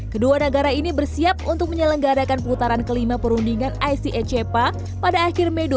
kedua negara ini bersiap untuk menyelenggarakan putaran kelima perundingan icecpa pada akhir mei dua ribu dua puluh tiga di odeon